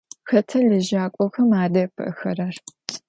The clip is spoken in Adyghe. Xeta lejak'oxem ade'epı'exerer?